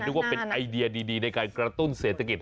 นึกว่าเป็นไอเดียดีในการกระตุ้นเศรษฐกิจ